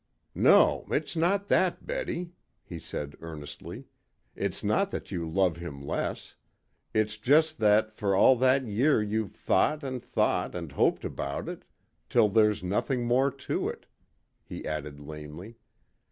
"No, it's not that, Betty," he said earnestly. "It's not that you love him less. It's just that for all that year you've thought and thought and hoped about it till there's nothing more to it," he added lamely.